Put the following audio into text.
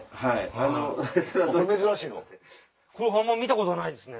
あんま見たことないですね。